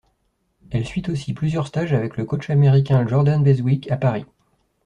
Elle suit aussi plusieurs stages avec le coach américain Jordan Beswick à Paris.